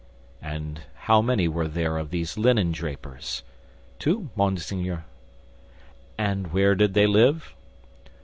"And how many were there of these linen drapers?" "Two, monseigneur." "And where did they live?"